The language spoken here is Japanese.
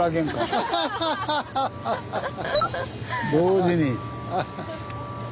同時に。